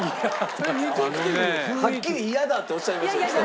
はっきり「嫌だ」っておっしゃいましたちさ子さん。